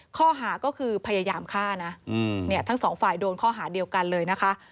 ข้อหาก็คือพยายามฆ่านะเนี่ยทั้งสองฝ่ายโดนข้อหาเดียวกันเลยนะคะ